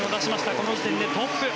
この時点でトップ。